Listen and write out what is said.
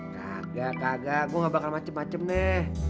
kagak kagak gue gak bakal macem macem nih